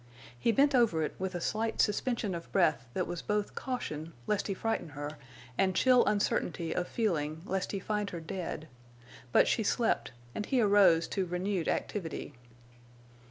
He bent over it with a slight suspension of breath that was both caution lest he frighten her and chill uncertainty of feeling lest he find her dead. But she slept, and he arose to renewed activity.